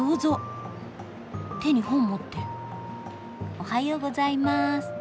おはようございます。